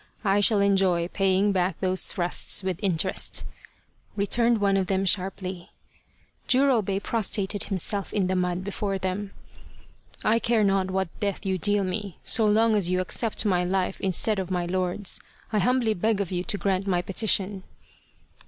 I shall enjoy paying back those thrusts with interest," returned one of them sharply. Jurobei prostrated himself in the mud before them. " I care not what death you deal me, so long as you accept my life instead of my lord's. I humbly beg of you to grant my petition."